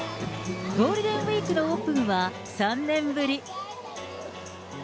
ゴールデンウィークのオープンは３年ぶり。